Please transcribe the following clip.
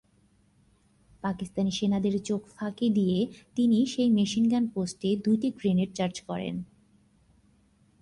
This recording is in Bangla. পাকিস্তানি সেনাদের চোখ ফাঁকি দিয়ে তিনি সেই মেশিনগান পোস্টে দুটি গ্রেনেড চার্জ করেন।